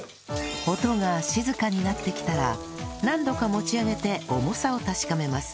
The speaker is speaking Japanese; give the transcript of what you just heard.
音が静かになってきたら何度か持ち上げて重さを確かめます